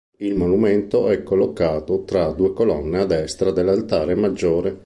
Il monumento è collocato tra due colonne a destra dell'altare maggiore.